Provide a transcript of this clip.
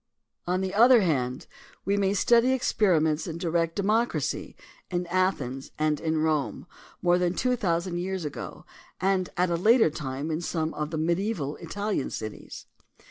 On the other hand, we niay study experi ments in direct democracy in Athens and in Rome more than two thousand years ago and at a later time in some of the mediaeval Italian cities.